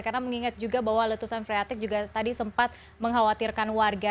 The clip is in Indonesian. karena mengingat juga bahwa letusan priatik juga tadi sempat mengkhawatirkan warga